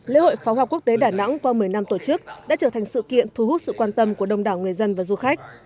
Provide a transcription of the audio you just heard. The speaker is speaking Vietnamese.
lễ hội pháo hoa quốc tế đà nẵng qua một mươi năm tổ chức đã trở thành sự kiện thu hút sự quan tâm của đông đảo người dân và du khách